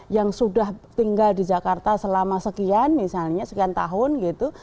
yang sudah tinggal di jakarta selama sekian misalnya sekian tahun gitu